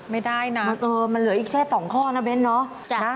ไม่ได้นะอ้อนนี่มันเหลืออีกแช้๒ข้อน่ะเว้นนะ